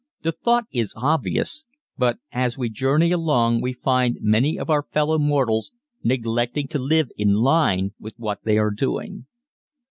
The thought is obvious, but as we journey along we find many of our fellow mortals neglecting to live in line with what they are doing.